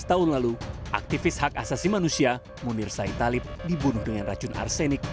tujuh belas tahun lalu aktivis hak asasi manusia munir said talib dibunuh dengan racun arsenik